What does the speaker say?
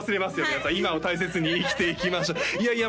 皆さん今を大切に生きていきましょういやいや